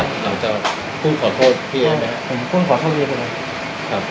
เราจะพูดขอโทษพี่เอ๊ะเนี้ยผมกลัวขอโทษพี่เอ๊ะครับครับ